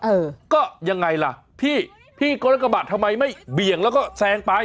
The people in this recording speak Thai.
เออก็ยังไงล่ะพี่พี่ก็รถกระบะทำไมไม่เบี่ยงแล้วก็แซงไป